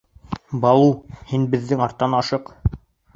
Балу, һин беҙҙең арттан ашыҡ.